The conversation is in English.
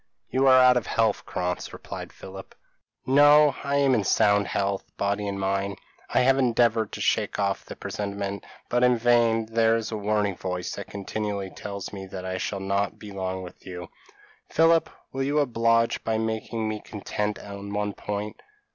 p> "You are out of health, Krantz," replied Philip. "No, I am in sound health, body and mind. I have endeavoured to shake off the presentiment, but in vain; there is a warning voice that continually tells me that I shall not be long with you. Philip, will you oblige me by making me content on one point?